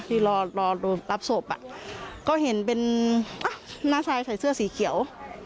ที่รอรับศบก็เห็นเป็นอ๊ะน้าชายใส่เสื้อสีเขียว